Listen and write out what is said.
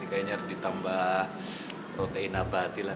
kayaknya harus ditambah protein abati lah